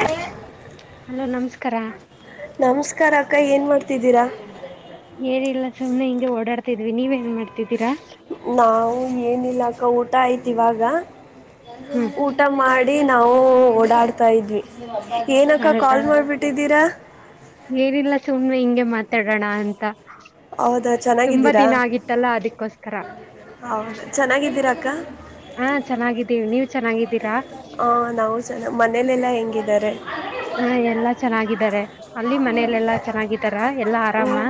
ಹತ್ತು ಹಲೋ ನಮ್ಸ. ಕರಾ. ನಮಸ್ಕಾರಾ ಅಕ್ಕಾ ಏನ್ ಮಾಡ್ತಿದ್ದೀರಾ. ಏನ ಇಲ್ಲ ಸುಮ್ನೆ ಹಿಂಗೆ ಓಡಾಡ್ತಿದ್ವಿ ನೀವ್ ಏನ್ ಮಾಡ್ತಿದ್ದೀರಾ. ನಾವು ಏನಿಲ್ಲ ಅಕ್ಕ ಊಟಾ ಆಯ್ತ ಇವಾಗಾ. ಹ್ಮ್ ಊಟಾ ಮಾಡ್. ಡಿ ನಾವು ಓಡಾಡ್ತಾ ಇದ್ವಿ. ಏನ ಅಕ್ಕ ಹೌದಾ ಕ್ವಾಲ್ ಮಾಡ್ಬಿಟ್ಟಿದ್ದೀರಾ. ಹ್ಹೂ ಹಿಂಗೆ ಮಾಡತ್ತಗೋಣಾ ಅಂತಾ. ಹೌದ ಚೆನ್ನಾಗಿದ್ದೀರಾ ಆಗಿತ್ತಲ್ಲ ಅದಕ್ಕೋಸ್ಕರ ಹೌದ ಚೆನ್ನಾಗಿದ್ದೀರಾ ಅಕ್ಕಾ. ಹಾ ಚೆನ್ನಾಗಿದ್ದೀವಿ ನೀವ್ ಚೆನ್ನಾಗಿದ್ದೀರಾ. ಅ ನಾವು ಜನ ಮನೇಲೆಲ್ಲಾ ಹೆಂಗ ಇದ್ದಾರೆ. ಹಾ ಎಲ್ಲಾ ಚೆನ್ನಾಗ ಇದ್ದಾರೆ ಅಲ್ಲಿ ಮನೇಯಲ್ ಎಲ್ಲಾ ಚೆನ್ನಾಗಿದ್ದಾರಾ ಎಲ್ಲಾ ಹ್ಮ್ ಆರಾಮಾ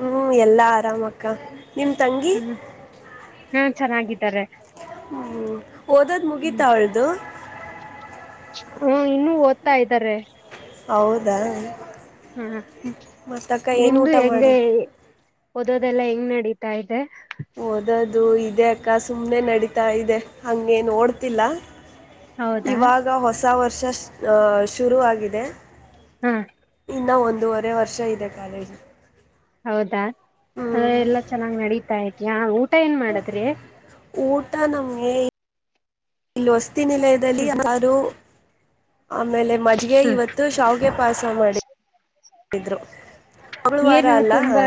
ಹ್ಮ್ ಎಲ್ಲಾ ಆರಾಮಕ್ಕ ನಿಮ್ ತಂಗಿ ಹ್ಮ ಹ್ಮ್. ಛೆನ್ನಾಗ ಇದ್ದಾರೆ. ಹ್ಮ್ ಓದೋದ್ ಮುಗೀತಾ ಅವಳ್ದು. ಹೂಉ ಇನ್ನು ಓದ್ತಾ ಇದ್ದಾರೆ. ಹೌದಾ ಹಾ ಹ್ಮ್ ಮತ್ತ ಅಕ್ಕಾ ಏನ ನಿಮ್ದು ಊಟಾ ಹೆಂಗೆ ಮಾಡಿದ. ಓದೋದೆಲ್ಲಾ ಹೆಂಗ್ ನಡೀತಾ ಇದೆ. ಓದದು ಇದೆ ಅಕ್ಕಾ ಸುಮ್ನೆ ನಡೀತಾ ಇದೆ ಹಂಗೇ ಓಡ್ತಿಲ್ಲಾ. ಹೌದಾ ಇವಾಗ ಹೊಸಾ ವರ್ಷ. ಶ್ ಶ್ ಶುರುವಾಗಿದೆ ಹಾ ಇನ್ನ ಒಂದ್ ದುವರೆ ವರ್ಷ ಇದೆ ಕಾಲೇಜು. ಹೌದಾ ಅಎಲ್ಲಾ ಚೆನ್ನಾಗ್ ನಡತ್ತ್ ಯವ್ ಊಟ ಏನ್ ಮಾಡದ್ರಿ. ಟ್ ನಮ್ಮ್ ಲ್ಹೊ ಹ್ಮ ತ್ತೆನಿಲ್ಲಿದ್ರಲ್ಲಿನ್ನಸಾರು ಆಮೇಲೆ ಮಜ್ಗೆ ಹಾ ಇವತ್ತು ಶಾವ್ಗೆ ಪಾಯ್ಸ ಮಾಡಿ ಿದ್ರು. ಏನಿವ್ ತುಂಬಾ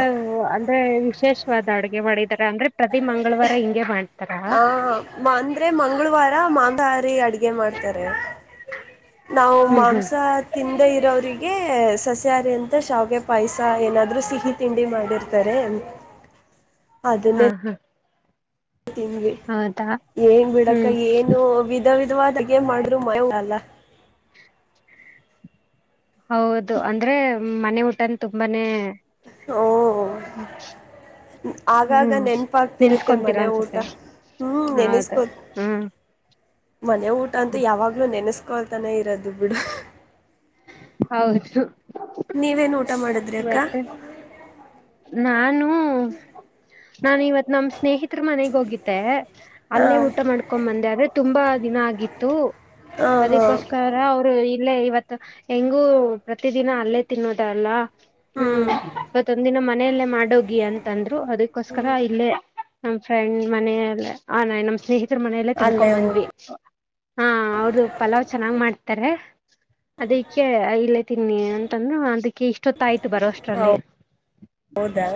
ಅಂದ್ರೆ ಇ ವಿಶೇಷ್ವಾದ ಅಡುಗೆ ಮಾಡಿದ್ದರ್ ಅಂದ್ರೆ ಪ್ರತಿ ಮಂಗಳವಾರ ಹಿಂಗೆ ಮಾಡ್ ಹ್ಮ್ ಅಂದ್ರೆ ಮಂಗಳವಾರ ರ ಮಾಂದಹಾರಿ ಅಡ್ಗೆ ಮಾಡ್ತಾರೆ. ನಾವು ಹ್ಮ್ ಹ್ಮ್ ಮಾಂಸ ತಿನ್ ತ್ಂದೆರೋರಿಗೆ ಸಸ್ಯಹಾರಿ ಅಂತ ಶಾವ್ಗೆ ಪಾಯ್ಸ ಏನಾದ್ರೂ ಸಿಹಿ ತಿಂಡಿ ಮಾಡಿರ್ತಾರೆ. ಹ್ಮ್ಂ ಹ್ಮ್ ತಿವ್ನಿ ಏನ್ ಬಿಡಕ್ಕ ಹ್ಮ್ ಏನು ವಿಧ ವಿ ದ್ವಾದ್ ಅಡ್ಗೆ ಮಾಡ್ರ್ [unintelligible] [unintelligible] ಹೌದು ಅಂದ್ರೆ ಮನೆ ಊಟನ್ ತುಂಬಾನೆ ಓ ಆಗಾಗ ಹ್ಮ್ ನೆನಪಾಗ್ತಿರುತ್ತೆ ನೆನ್ಸ್ಕೊಂತೀರಾ ಮನೆ ಊಟ ಅನ್ಸುತ್ತೆ ಹ್ಮ್ ಹೌದು ನೆನಸ್ಕೋತ್ ಹ್ಮ್ ಮನೆ ಊಟ ಅಂತ ಯಾವಾಗ್ಲೂ ನೆಸ್ಸ್ ಕೊಲ್ತಾನೆ ಇರದು ಬಿಡು. [unintelligible] ನೀವೇನೂಟ ಮಾಡಿದ್ರಿ ಅಕ್ಕ. ನಾನೂ ನಾ ಇವತ್ ನಮ್ ಸ್ನೇಹಿತ್ರ ಮನೆಗ್ ಹೋಗಿದ್ದೆ. ಹಾ ಅಲ್ಲೇ ಊಟ ಮಾಡ್ಕೊ್ಂಬಂದೆ ಆದ್ರೆ ತುಂಬಾ ದಿನ ಆಗಿತ್ತು. ಹಾ ಹಾ ಅದಿಕ್ಕೋಸ್ಕರ ಅವರ್ ಇಲ್ಲೇ ಇವತ್ತ್ ಹೆಂಗೂ ಪ್ರತಿದಿನ ಅಲ್ಲೇ ತಿನ್ನೋದಲ್ಲ. ಹ್ಮ್ ಮತ್ ನಮ್ ಮನೆಯಲ್ಲೇ ಮಾಡೋಗಿ ಅಂತಂದ್ ರು ಅದುಕ್ಕೋಸ್ಕರ ಇಲ್ಲೇ ನಮ್ಮ್ ಫ್ರೆಂಡ್ ಮನೆಯಲ್ಲೆ ಹಾ ನಯ್ ನಮ್ಮ್ ಸ್ನೇಹಿತ್ ರ್ ಮನೆಯಲ್ಲೆ ಅಲ್ಲೇ ತಿನ್ಕೊಬಂದ್ವಿ. ಹಾ ಅವ್ದ ಪಲಾವ್ ಚೆನ್ನಾಗ್ ಮಾಡ್ತಾರೆ ಅದಿಕ್ಕೆ ಇಲ್ಲೇ ತಿನ್ನಿ ಅಂತಂದ್ ಅದಕ್ಕೆ ಇಷ್ಟೊತ್ತಾಯ್ ತ್ ಬರೋಷ್ಟ್ರಲ್ಲಿ. ದಾ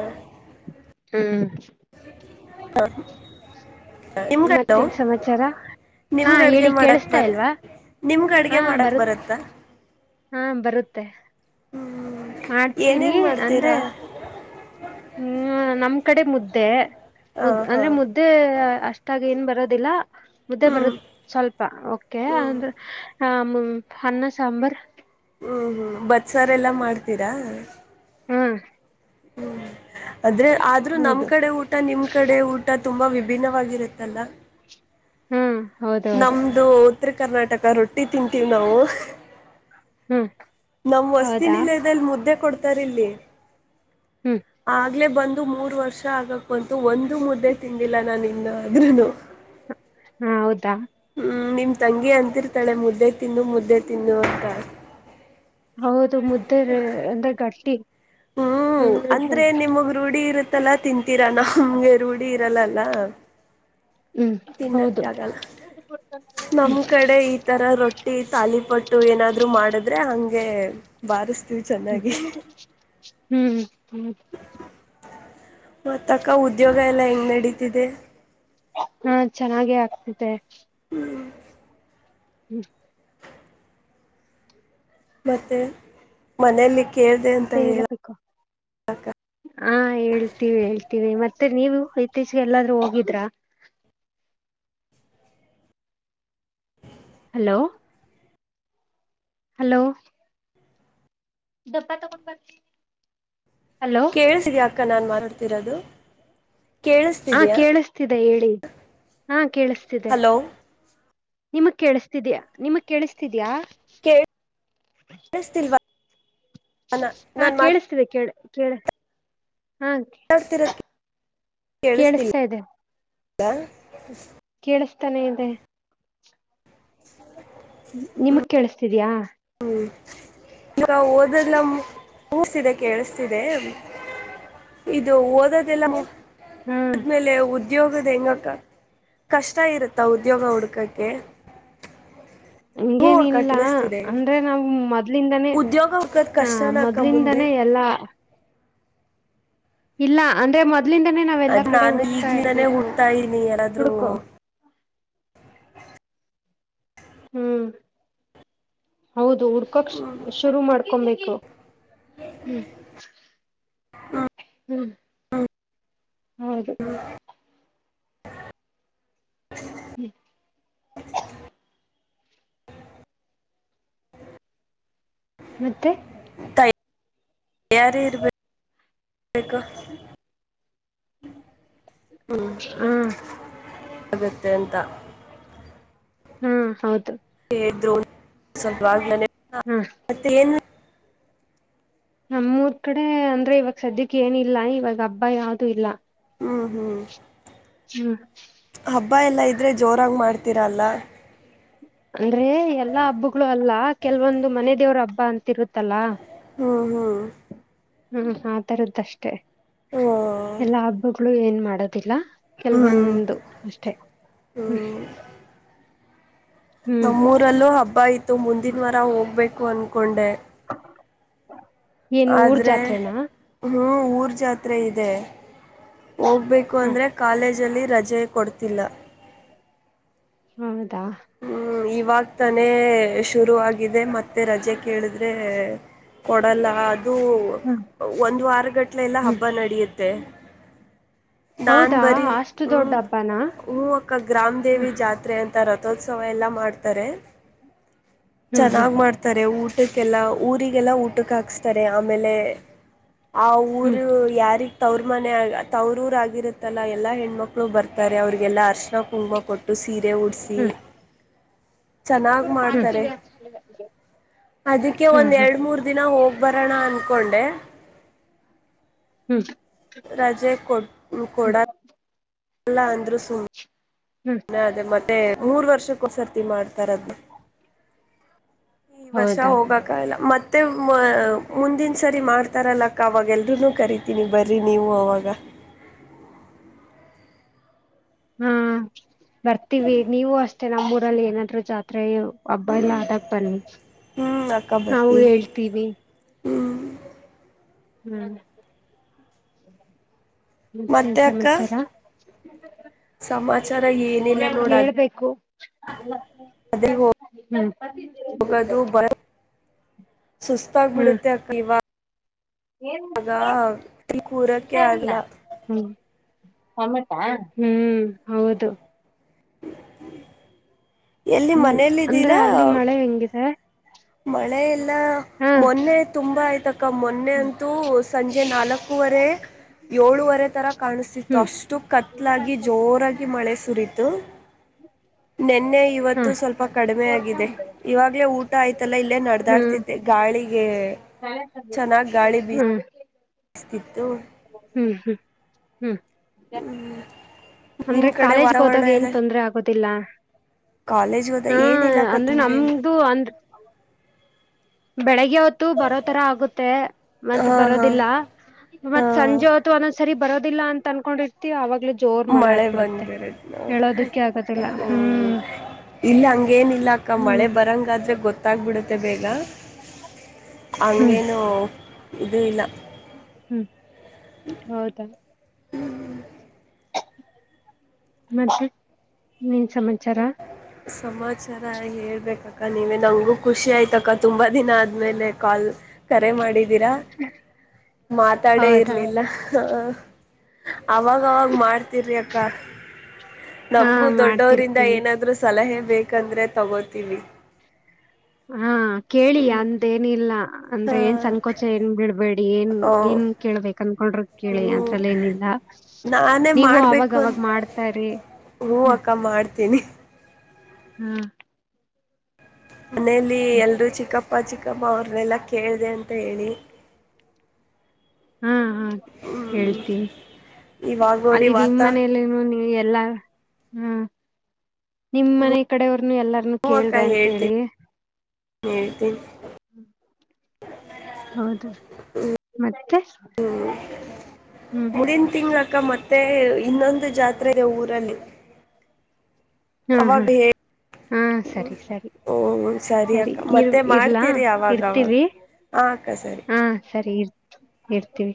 ಹ್ಮ್ [unintelligible] ನಿಮ್ಗ ಮತ್ತೆನ್ ಸಮಾಚಾರ ಹಾ ಹೇಳಿ ಕೇಳಸ್ತಾ ಇಲ್ವಾ. ಹಾ ನಿಮ್ಗಡ್ಗೆ ಮಾಡಕ್ ಬರುತ್ ಬರತ್ತಾ. ಹಾ ಬರುತ್ತೆ ಹ್ಮ್ ಮಾಡ್ತೀನಿ ಏನೇನ್ ಅಂದ್ರೆ ಮಾಡ್ತೀರಾ ಹ್ಮ್ ನಮ್ಕಡೆ ಮುದ್ದೆ. ಹಾ ಮುದ್ ಹಾ ಅಂದ್ರೆ ಮುದ್ದೆ ಅಷ್ಟಾಗಿ ಏನ್ ಬರ್ ರೋದಿಲ್ಲ ಮುದ್ದೆ ಹ್ಮ್ ಬರುತ್ ಸ್ವಲ್ಪ ಒಕೆ ಹ್ಮ್ ಅಂದ್ರೆ ಹಮ್ ಅನ್ನ ಸಾಂಬಾರ್. ಹ್ಮ್ ಬತ್ಸಾರ್ ಎಲ್ಲಾ ಮಾಡ್ತೀರಾ‌. ‌‌‍‌‌ ಹ್ಮ ಹ್ಮ್ ಆದ್ರೆ ಆದ್ರೂ ನಮ್ ಹೌದು ಕಡೆ ಊಟ ನಿಮ್ ಕಡೆ ಊಟ ತುಂಬಾ ವಿ ಭಿನ್ನವಾಗಿರುತ್ತಲ್ಲ. ಹ್ಮ್ ಹೌದೌದು ನಮ್ದು ಉತ್ತ್ರ್ ಕರ್ನಾಟಕ ರೊಟ್ಟಿ ತಿಂತೀವಿ ನಾವು. ಹ್ಮ್ ನಮ್ ಹೌದಾ ವಸ್ತಿನಿಲಯ್ದಲ್ಲಿ ಮುದ್ದೆ ಕೊಡ್ತ್ ತರಿಲ್ಲಿ. ಹ್ಮ್ ಆಗ್ಲೇ ಬಂದ್ ದು ಮೂರ್ವರ್ಷ ಆಗಕ್ಬಂತು ಒಂದು ಮುದ್ದೆ ತಿಂದಿಲ್ಲ ನಾನಿನ್ನಾದ್ರೂನು. ಹಾ ಹೌದಾ ಹ್ಞ ನಿಮ್ತಂಗಿ ಅಂತಿರ್ತಾಳೆ ಮುದ್ದೆ ತಿನ್ನು ಮುದ್ದೆ ತಿನ್ನು ಅಂತ. ಹೌದು ಮುದ್ದೆರೇ ಗಟ್ಟಿ. ಹ್ಮ್ ಅಂದ್ರೆ ನಿಮಗ್ ರೂಢಿ ಇರುತ್ತಲ್ಲ ತಿಂತೀರಾ ನಮ್ಗೆ ರೂಢಿ ರಲ್ಲಲ್ಲ. ಹ್ಮ್ ತಿನ್ನಕ್ಕೆ ಹೌದು ಆಗಲ್ಲ ನಮ್ ಕಡೆ ಈ ತರ ರೊಟ್ಟಿ ತಾಲಿಪಟ್ಟು ಏನಾದ್ರರು ಮಾಡಿದ್ರೆ ಹಂಗೆ ಬಾರಿಸ್ತೀವಿ ಚೆನ್ನಾಗಿ. ಹ್ಮ್ ಹ್ಮ್ ಮತ್ ಅಕ್ಕ ಉದ್ಯೋಗ ಎಲ್ಲ ಹೆಂಗ್ ನಡೀತಿದೆ. ಹಾ ಚೆನ್ನಾಗೆ ಆಗ್ತ್ ತೆ [inaudible] ಮತ್ತೆ ಮನೆಲಿ ಮತ್ತೆ ಹೇಲಬೇಕು ಹಾ ಹೇಳ್ತೀವಿ ಹೇಳ್ತೀವಿ ಮತ್ತ್ ತ್ತೆ ನೀವು ಇತ್ತೀಚ್ಗೆ ಎಲ್ಲಾದ್ರೂ ಹೋಗಿದ್ರ. ಹಲೋ ಹಲೋ ದಪ್ಪ ತಗೊಂಡ್ ಬರ್ ಕೇಳ್ ಸಿಗ ಆ ಕ್ಕ ನಾನ್ ಮಾತಾಡ್ತಿರೋದು. ಹಾ ಕೇಳಿಸ್ತಿದ್ಯಾ ಕೇಳಿಸ್ತಿದೆ ಹೇಳಿ ಹಾ ಕೇಳಿಸ್ತಿದೆ. ಹಲೋ ನಿಮಗ್ ಕೇಳಿಸತಿದ್ಯ್ ನಿಮಗ್ ಕೇಳಸ್ತಿದ್ಯಾ. ಳಿಸ್ತಿಲ್ವಾ ಹಾ ಕೇಳಿಸ್ತಿದೆ ಕೇಳ್ ಕೇಳ ಹಾಗ್ ಮಾತಾಡ್ತಿರೋದ್ ಕೇಳಿಸ್ತಾ ಇದೆ. ಲ್ಲ ಕೇಳಿಸ್ತಾನೆ ಇದೆ. ನಿಮಗ್ ಕೇಳಿಸ್ತಿದ್ಯಾ. ಹ್ಮ್ ಓದೆಲ್ಲ ಮು ಕೇಳಿಸ್ತಿದೆ ಕೇಳಿಸ್ತಿದೆ ಇದು ಓದದೆಲ್ಲ ಮು ಹಾ ಆದ್ಮೇಲೆ ಉದ್ ದ್ಯೋಗ್ದ ಹೆಂಗಕ್ಕ ಕಷ್ಟ ಇರುತ್ತಾ ಉದ್ಯೋಗ ಹುಡ್ಕಕ್ಕೆ ಹೂ ಅಕ್ಕ ಹಂಗೇನಿಲ್ಲ ಕೇಳಿಸ್ತಿದೆ ಅಂದ್ರೆ ನಾವ್ ಮೊದ್ಲಿಂದನೇ ಉದ್ಯೋಗ ಹುಡ್ಕದ್ ಹ ಕಷ್ಟನ ಅಕ್ಕ ಮುಂದೆ ಮೊದ್ಲಿಂದನೇ ಎಲ್ಲಾ ಇಲ್ಲ ಅಂದ್ರೆ ಮದ್ ಅದ್ನಾನು ಈಗ್ಲಿನಾನೇ ಹುಟ್ತಾ ಇದೀನಿ ಯಾರಾದ್ರೂ ಹುಡ್ಕೋ ಹ್ಮ್ ಹೌದ್ ದು ಹುಡ್ಕಕ್ ಶುರು ಮಾಡ್ ಕೊಂಬೇಕು. ಹ್ಮ್ [inaudible] ಹ್ಮ್ ಹೌದು [unintelligible] ಮತ್ತೆ [unintelligible] ಹ [unintelligible] ಹಾ ಹೌದು ಇದ್ರೂ ಸೊ ವಾಗ್ಲೇನೇ ಹಾ ಮತ್ತೆನ್ ನಮ್ಮೂರ್ ಕಡೆ ಅಂದ್ರೆ ಇವಾಗ ಸದ್ಯಕ್ಕೆ ಏನಿಲ್ಲ ಇವಾಗ ಹಬ್ಬ ಯಾವ್ದೂ ಇಲ್ಲ. ಹ್ಞ ಹ್ಮ ಹ್ಮ್ ಹಬ್ಬ ಎಲ್ಲ ಇದ್ರೆ ಜೋರಾಗಿ ಮಾಡ್ತೀರಲ್ಲ. ಅಂದ್ರೆ ಎಲ್ಲಾ ಹಬ್ಬಗಳು ಅಲ್ಲ ಕೆಲ್ವೊಂದು ಮನೆ ದೇವ್ರು ಹಬ್ಬ ಅಂತಿರುತ್ತಲ್ಲಾ. ಹ್ಮ ಹ್ಮ ಹ್ಮ ಆತರದ್ದಷ್ಟೇ. ಎಲ್ಲಾ ಹ್ಮ್ ಹಬ್ಬಗಳು ಏನ್ ಮಾಡೋದಿಲ್ಲ. ಹ್ಮ್ ಕೆಲ್ವೊಂದು ಅಷ್ಟೆ ಹ್ಮ್ ಹ್ಮ್ ನಮ್ಮೂರಲ್ಲೂ ಹಬ್ಬ ಐತು ಮುಂದಿನ್ವಾರ ಹೋಗ್ಬೇಕ್ ಒಂದಕೊಂಡೆ. [inaudible] ಏನ್ ಊರ್ ಆದ್ರೆ ಜಾತ್ರೆನ. ಹ್ಞೂ ಊರು ಜಾತ್ರೆ ಇದೆ. ಹೋಗ್ಬೇಕು ಹ ಅಂದ್ರೆ ಕಾಲೇಜಲ್ಲಿ ರಜೆ. ಕೊಡ್ತಿಲ್ಲ. ಹ್ಮ. ತ್ತಾ. ಇವಾಗ್ ತಾನೇ. ಶುರು ಆಗಿದೆ ಮತ್ತೆ ರಜೆ ಕೇಳಿದೆ. ಅದೇ ಕೊಡಲ್ಲ ಅ. ಇದು ಹ್ಮ್ ಒಂದು ವಾರ ಗಟ್ಲೆ ಎಲ್ಲ ಹ್ಮ್ ಹಬ್ಬ ನಡೆಯುತ್ತೆ. ತ್ತೆ. ನಾನ್ ಹೌದಾ ಬರೀ ಅಷ್ಟು ಹ ದೊಡ್ಡ ಹಬ್ಬನಾ ಹೂ ಅಕ್ಕ ಗ್ರಾಮ ಹ್ಮ್ ದೇವಿ ಜಾತ್ರೆ ಅಂತ. ತರ. ರಥೋತ್ಸವ ಎಲ್ಲ ಮಾಡ್ತಾರೆ. ಹ್ಮ್ ಹ್ಮ್ ಚೆನ್ನಾಗ್ ಮಾಡ್ತಾರೆ ಊಟ. ಊಟಕ್ಕೆಲ್ಲ ಊರಿಗೆಲ್ಲ ಊಟಕ್ಕೆ ಹಾಕಿಸ್ತಾರೆ ಆಮೇಲೆ. ಆ ಹ್ಮ್ ಊರು ಯಾರ. ತವರು ಮನೆ ಆಗ ತವ್ರೂರು ಆಗಿರುತ್ತಲ್ಲ ಎಲ್ಲ ಹೆಣ್ಮಕ್ಳು ಬರ್ತಾರೆ ಅವರಿಗೆಲ್ಲ ಆಸೆ. ಅರಿಶಿಣ ಕುಂಕುಮಕೊಟ್ಟು ಸೀರೆ ಉಡಿಸಿ. ಹ್ಮ್ ಚೆನ್ನಾಗ್ ಹ್ಮ್ ಹ್ಮ್ ಮಾಡ್ತಾರೆ ಅದಕ್ಕೆ ಒಂದ್ ಎರಡ್ ಮೂರ್ ದಿನ ಹೋಗ. ಬರೋಣ ಅಂದ್ಕೊಂಡೆ. ಹ್ಮ್. ರಾಜೆ ಕೊಟ್. ಹ್ಮ. ಅಲ್ಲ ಅಂದ್ರ ಸುಮ್. ಹ್ಮ್ ಹ ಅದೇ ಮತ್ತೆ. ಮೂರ್ ವರ್ಷಕ್ಕೋ ಒಂದು ಸರ್ತಿ ಮಾಡ್ತಾರಂತೆ. ಈ ವರ್ಷ ಹೌದಾ ಹೋಗಕಾಗಿಲ್ಲ. ಮತ್ತೆ ಮುಂದಿನ ಸರಿ ಮಾಡ್ತಾರಲ್ಲಕ್ಕ ಅವವಾಗೆಲ್ರೂ ಕರಿತೀನಿ ಬರಿ ನೀವು ಅವವಾಗ. ಹ್ಮ್. ಬರ್ತೀವಿ ನೀವು ಅಷ್ ಕೆ ನಮ್ಮೂರಲ್ಲಿ ಏನಾದ್ರು ಜಾತ್ರೆು ಹಬ್ಬ ಎಲ್ಲ ಆದಗ್ಬನ್ನಿ ಹ್ಮ್ ಅಕ್ಕ ನಾವು ಬರ್ತೀವಿ ಹೇಳ್ತೀವಿ. ಹ್ಮ್ ಹ್ಮ್ ಮತ್ತೆನ್ ಮತ್ತೆ ಅಕ್ಕ ಚಮಾಚಾರ. [inaudible] ಸಮಾಚಾರ ಏನಿಲ್ಲ ನೋಡಾದ್ ಹೇಳ್ಬೇಕು [unintelligible] [unintelligible] ಹ್ಮ್ ಹ್ಮ್ ಹೋಗೋದು ಬರ್ ಸುಸ್ತಾಗ್ಬಿಡುತ್ತೆ ಅಕ್ಕ ಇವಾಗ್ ಗೆ ಪೂರೈಕೆ ಆಗ್ಲಿ. ಹಮಿಟಾ ಹ್ಮ್ ಹೌದು. ಎಲ್ಲಿ ಹ್ಮ್ ಅಂದ್ರೆ ಮನೇಲಿದ್ದೀರಾ ಅಲ್ಲಿ ಮಳೆ ಹೆಂಗಿದೆ. ಮಳೆ ಎಲ್ಲ್ ಲ್ ಹಾ ಮೊನ್ನೆ ತುಂಬಾ ಆಯ್ತ ಕ ಮೊನ್ನೆ ಹ್ಮ್ ಅಂತೂ ಸಂಜೆ ನಾಲ್ಕೂವರೆ ಏಳೂುವರೆ ತರ ಕಾಣುಸ್ತಿತ್ತು ಹ್ಮ್ ಅಷ್ಟು ಕತ್ಲಾಗಿ ಜೋರಾಗಿ ಮಳೆ ಸುರಿತು. ನೆನ್ನೆ ಹಾ ಇವತ್ತು ಸ್ವಲ್ಪ ಕಡಿಮೆ ಆಗಿದೆ ಇವಾಗ್ಲೇ ಊಟ ಆಯ್ತ್ ತ್ತಲ್ಲ ಇಲ್ಲೇ ಹ್ಮ್ ನಡ್ದಾಡ್ತಿದ್ದೆ ಗಾಳಿಗೆ ಹ್ಮ್ ಸ್ತಿತ್ತು. ಹ್ಮ್ ಹ್ಮ್ ಹ್ಮ್ ಅಂದ್ರೆ ನಿಮ್ ಕಡೆ ಕಾಲೇಜ್ಗ್ ವಾತಾವರಣ ಹೋದಾಗ ಎಲ್ಲ ಏನ್ ತೊಂದ್ರೆ ಆಗೋದಿಲ್ಲ ಕಾಲೇಜ್ ಹೋದ ಹಾ ಏನ್ ಇಲ್ಲಕ್ಕ ಅಂದ್ರೆ ತಂದ್ರೆ ನಮ್ದು ಅಂದ್ರ್ ಬೆಳಗ್ ಗ್ಹೊತ್ತು ಬರೋ ತರ ಆಗುತ್ತೆ ಮತ್ ಹಾ ಹಾ ಬರೋದಿಲ್ಲ ಹಾ ಮತ್ ಸಂಜೆ ಹೊತ್ತು ಒಂದೊಂದ್ಸರಿ ಬರೋ ಇಲ್ಲ ಅನ್ಕೊಂಡಿರ್ತಿ ಅವಾಗ್ಲೆ. ಮಳೆ ಬಂದಿರುದ ಆಗೋದಿಲ್ಲ ಹ್ಮ ಹ್ಮ್ ಇಲ್ಲ ಹಂಗೇನಿಲ್ಲ ಅಕ್ಕ ಮಳೆ ಹ್ಮ್ ಬರಂಗಾದ್ರೆ ಗೊತ್ತಾಗ್ಬಿಡುತ್ತೆ ಬೇಗ. ಹ್ಮ್ ಹಂಗೇನು. ಇದು ಇಲ್ಲ. ಹ್ಮ್ ಹೌದಾ. ಮತ್ತೆ ಇನೇನು ಸಮಾಚಾರ. ಸಮಾಚಾರ ಹೇಳ್ಬೇಕಕ್ಕ ನೀವೇ ನಂಗು ಖುಷಿ ಆಯ್ತಕ್ಕ ತುಂಬಾ ದಿನ ಆದ್ಮೇಲೆ ಕಾಲ್ ಕರೆ ಮಾಡಿ. ದಿರ. ಮಾತಾಡೇ ಹೌದಾ ಇರ್ಲಿಲ್ಲ. ಹಾ. ಅವಾಗವಾಗ ಮಾಡ್ತಿರ್ರಿ ಅಕ್ಕ ಹಾ ನಮಗೂ ದೊಡ್ಡವರಿಂದ ಮಾಡ್ತಿರ್ತೀವಿ ಏನಾದರೂ ಸಲಹೆ. ಬೇಕಂದ್ರೆ ತಗೋತೀವಿ. ಹಾ. ಕೇಳಿ ಅಂತೇನಿಲ್ಲ. ಹಾ ಅಂದ್ರೆ ಏನ್ ಸಂಕೋಚ ಏನ್ ಬೀಳ್ಬೇಡಿ. ಏನ್ ಓ ಏನ್ ಕೇಳ್ಬೇಕ ಅನ್ಕೊಂಡ್ರ. ಕೇಳಿ ಹ್ಮ ಅದ್ರಲ್ ಏನಿಲ್ಲ ನಾನೇ ನೀವು ಮಾಡ್ಬೇಕು ಅನ್ ಅವಾಗವಾಗ ಮಾಡ್ತಾ ಇರಿ. ಹ್ಮ ಅಕ್ಕ ಮಾಡ್ತೀನಿ. ಹ್ಮ್. ಮನೇಲಿ ಎಲ್ರೂ ಚಿಕ್ಕಪ್. ಅಪ್ಪ ಚಿಕ್ಕಮ್ಮ ಅವ್ರನ್ನೆಲ್ಲ ಕೇಳಿದೆ ಅಂತ ಹೇಳಿ. ಹ್ಮ್. ಹ ಹ್ಮ್ ಹೇಳ್ತೀನ್ ಇವಾಗ ನೋಡಿ ಅಲ್ಲಿ ನಿಮ್ಮ ವಾತ ಮನೆಯಲ್ಲಿ ಏನೊ ನೀವ್. ಇಲ್ಲ ಹ್ಮ್ ನಿಮ್ಮನೆ ಕಡೆವ್ರು. ನು ಎಲ್ಲಾರ್ನು ಕೇಳ್ದೆ ಅಂತೇಳಿ. ಹೇಳ್ತಿನಿ. ಹೌದು ಮತ್ತೆ. ಮತ್ತೆ. ಮುಂದಿನ ತಿಂಗಳು. ಕ್ಕ ಮತ್ತೆ ಇನ್ನೊಂದು ಜಾತ್ರೆ ದೆ ಊರಲ್ಲಿ. ಹಾ ಹಾ ಅವಾಗ ಹೇ ಹಾ ಸರಿ ಸರಿ ಹ್ಮ ಸರಿ ಅಕ್ಕ ಇ ಮತ್ತೆ ಇರ್ಲಾ ಮಾಡ್ತೀರಿ ಅವಾಗವಾಗ ಇರ್ತೀವಿ ಹಾ ಅಕ್ಕ ಸರಿ ಹಾ ಸರಿ ಇ ರ್ತೀವಿ.